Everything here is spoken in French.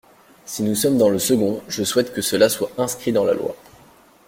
Si nous sommes dans le second, je souhaite que cela soit inscrit dans la loi.